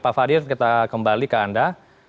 pak fadil kita kembali ke anda